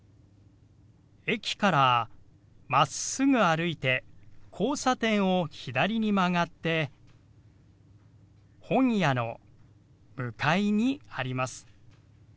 駅からまっすぐ歩いて交差点を左に曲がって本屋の向かいにあります。